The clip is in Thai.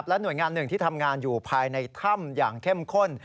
หน่วยงานหนึ่งที่ทำงานอยู่ภายในถ้ำอย่างเข้มข้น